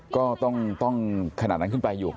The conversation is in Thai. ก็ต้องขนาดนั้นขึ้นไปอยู่